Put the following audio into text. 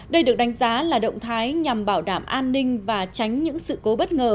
đây được đánh giá là động thái nhằm bảo đảm an ninh và tránh những sự cố bất ngờ